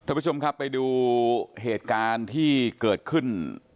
ผู้ชมครับไปดูเหตุการณ์ที่เกิดขึ้น